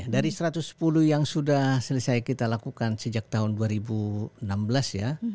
dari satu ratus sepuluh yang sudah selesai kita lakukan sejak tahun dua ribu enam belas ya